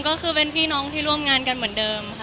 ก็คือเป็นพี่น้องที่ร่วมงานกันเหมือนเดิมค่ะ